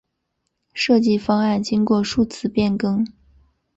设计方案经过数次变更。